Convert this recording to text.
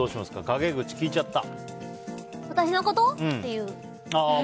私のこと？って言う。